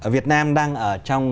việt nam đang ở trong